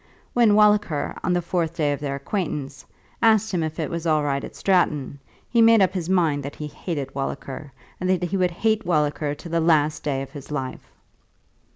When Walliker, on the fourth day of their acquaintance, asked him if it was all right at Stratton, he made up his mind that he hated Walliker, and that he would hate Walliker to the last day of his life.